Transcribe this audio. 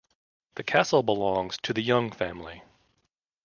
The castle belonged to the Young family.